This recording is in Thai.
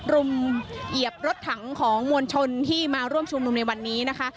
รุมเหยียบรถถังของมวลชนที่มาร่วมชุมนุมในวันนี้นะคะ